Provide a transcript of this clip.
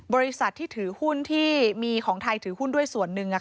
บริษัทที่ถือหุ้นที่มีของไทยถือหุ้นด้วยส่วนหนึ่ง